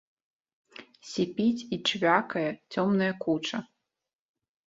Сіпіць і чвякае цёмная куча.